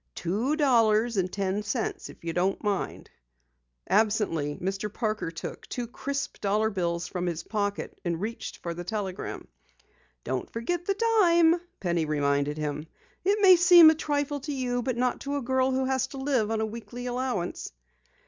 Two dollars and ten cents, if you don't mind." Absently Mr. Parker took two crisp dollar bills from his pocket and reached for the telegram. "Don't forget the dime," Penny reminded him. "It may seem a trifle to you, but not to a girl who has to live on a weekly allowance."